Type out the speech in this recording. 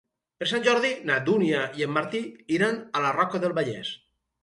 Per Sant Jordi na Dúnia i en Martí iran a la Roca del Vallès.